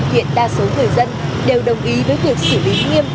hiện đa số người dân đều đồng ý với việc xử lý nghiêm